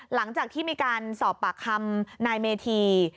หลังจากที่มีการสอบปากคำนายเมธี